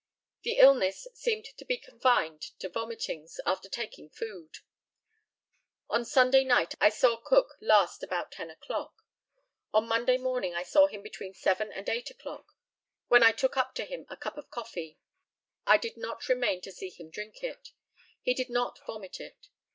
The illness seemed to be confined to vomitings after taking food. On Sunday night I saw Cook last about 10 o'clock. On Monday morning I saw him between 7 and 8 o'clock, when I took up to him a cup of coffee. I did not remain to see him drink it. He did not vomit it.